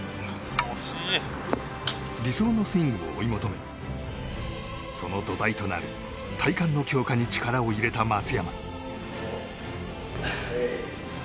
理想のスイングを追い求めその土台となる体幹の強化に力を入れた松山。